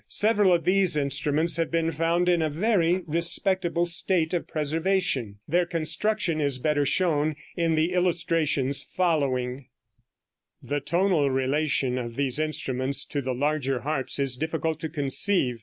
Several of these instruments have been found in a very respectable state of preservation. Their construction is better shown in the illustrations following: [Illustration: Fig. 7.] The tonal relation of these instruments to the larger harps is difficult to conceive.